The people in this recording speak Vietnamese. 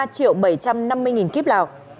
một mươi ba triệu bảy trăm năm mươi nghìn kíp lọc